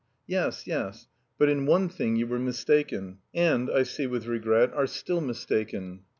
"Yes, yes... but in one thing you were mistaken, and, I see with regret, are still mistaken."